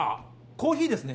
コーヒーですね？